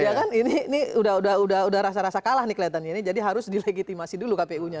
ya kan ini udah udah udah udah rasa kalah nih kelihatannya ini jadi harus dilegitimasi dulu kpu nya